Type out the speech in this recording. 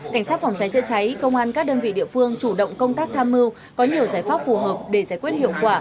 cảnh sát phòng cháy chữa cháy công an các đơn vị địa phương chủ động công tác tham mưu có nhiều giải pháp phù hợp để giải quyết hiệu quả